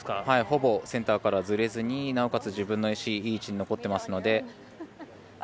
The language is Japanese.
ほぼセンターからずれずになおかつ自分の石いい位置に残っていますので。